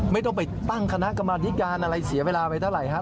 ไม่ต้องไปตั้งคณะกรรมธิการอะไรเสียเวลาไปเท่าไหร่ครับ